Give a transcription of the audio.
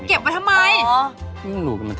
เราจะทิ้งทำไม